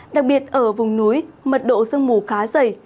đặc biệt ở vùng núi mật độ sương mù khá dày